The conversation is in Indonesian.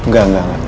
gak gak gak